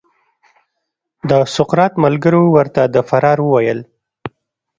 د سقراط ملګریو ورته د فرار وویل.